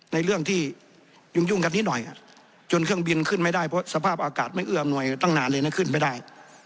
ในเรื่องที่ยุ่งกันนิดหน่อยจนเครื่องบินขึ้นไม่ได้เพราะสภาพอากาศไม่เอื้ออำนวยตั้งนานเลยนะขึ้นไม่ได้